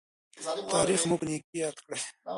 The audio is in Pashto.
تاریخ مو په نیکۍ یاد کړي.